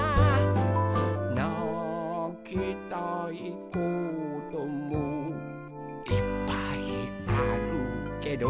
「なきたいこともいっぱいあるけど」